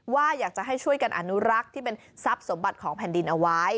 ว่าอยากจะให้ช่วยกันอนุรักษ์ที่เป็นทรัพย์สมบัติของแผ่นดินเอาไว้